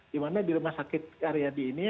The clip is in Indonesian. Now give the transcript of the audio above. dimana di rumah sakit area ini